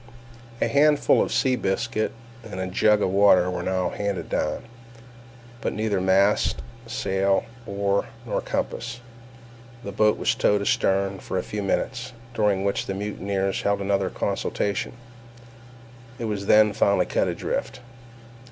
A handful of sea biscuit and a jug of water were now handed down; but neither mast, sail, oar, nor compass. The boat was towed astern for a few minutes, during which the mutineers held another consultation—it was then finally cut adrift.